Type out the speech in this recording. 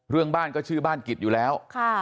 เรื่องบ้านก็ชื่อบ้านกิจอยู่แล้ว